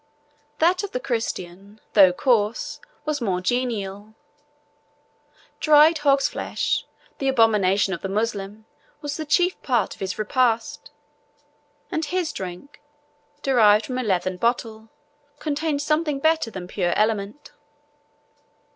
That of the Christian, though coarse, was more genial. Dried hog's flesh, the abomination of the Moslemah, was the chief part of his repast; and his drink, derived from a leathern bottle, contained something better than pure element.